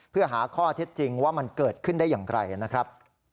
เพื่อหาข้อเท็จจริงว่ามันเกิดขึ้นได้อย่างไรนะครับ